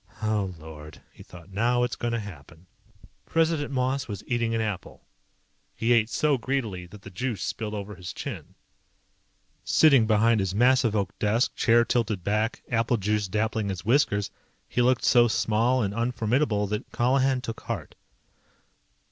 Oh, Lord, he thought. Now it's going to happen. President Moss was eating an apple. He ate so greedily that the juice spilled over his chin. Sitting behind his massive oak desk, chair tilted back, apple juice dappling his whiskers, he looked so small and unformidable, that Colihan took heart.